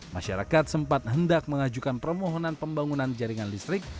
masyarakat sempat hendak mengajukan permohonan pembangunan jaringan listrik